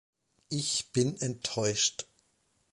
Ich bin enttäuscht.